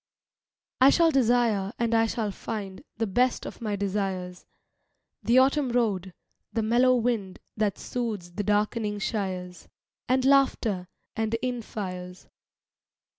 I shall desire and I shall find The best of my desires; The autumn road, the mellow wind That soothes the darkening shires. And laughter, and inn fires.